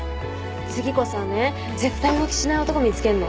次こそはね絶対浮気しない男見つけんの。